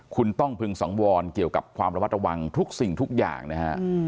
คุณต้องพึงสังวรเกี่ยวกับความระมัดระวังทุกสิ่งทุกอย่างนะฮะ